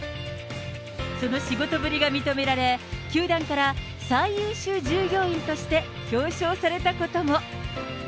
その仕事ぶりが認められ、球団から最優秀従業員として表彰されたことも。